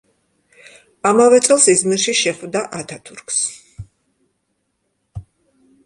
ამავე წელს იზმირში შეხვდა ათათურქს.